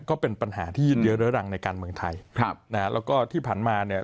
ก็เป็นปัญหาที่ยืดเยอะเรื้อรังในการเมืองไทยครับนะฮะแล้วก็ที่ผ่านมาเนี่ย